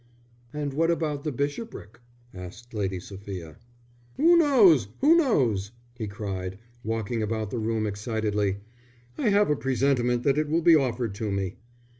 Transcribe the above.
"And what about the bishopric?" asked Lady Sophia. "Who knows? Who knows?" he cried, walking about the room excitedly. "I have a presentiment that it will be offered to me."